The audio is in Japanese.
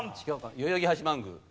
代々木八幡宮。